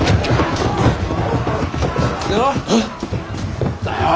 何だよ！